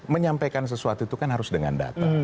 menyampaikan sesuatu itu kan harus dengan data